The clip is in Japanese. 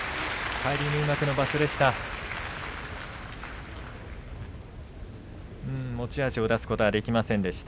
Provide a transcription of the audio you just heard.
返り入幕の場所でした。